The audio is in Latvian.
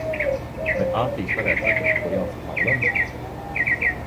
Vai Ārtijs varētu pateikt ko jauku Karlam?